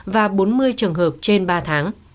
và bốn mươi trường hợp trên ba tháng